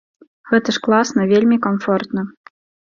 Гэта ж класна, вельмі камфортна.